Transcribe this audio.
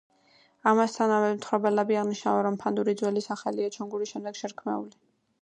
ამასთანავე, მთხრობელები აღნიშნავენ, რომ „ფანდური“ ძველი სახელია და „ჩონგური“ შემდეგ შერქმეული.